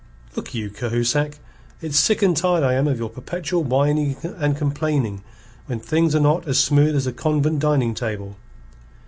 "Look you, Cahusac: it's sick and tired I am of your perpetual whining and complaining when things are not as smooth as a convent dining table.